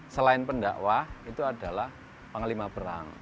selain pendakwah itu adalah panglima perang